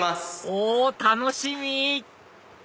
お楽しみ！